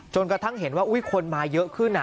จนกระทั่งเห็นว่าอุ๊ยคนมาเยอะขึ้นอ่ะ